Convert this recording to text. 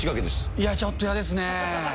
いや、ちょっと嫌ですね。